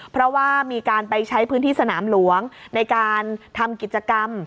เพราะว่ามีการไปใช้พื้นที่สนามหลวงในการทำกิจกรรม